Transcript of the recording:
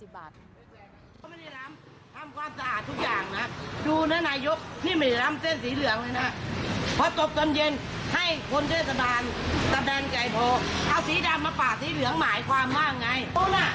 พักตี้เช่นเหมือนกันทำไมไม่เอาเขาออก